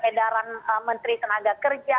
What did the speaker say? edaran menteri tenaga kerja